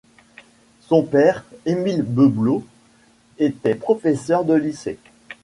Son père, Emil Beblo était professeur de lycée.